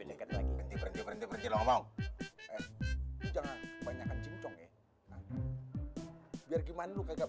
berhenti berhenti berhenti lo ngomong jangan kebanyakan cincong ya biar gimana lo kagak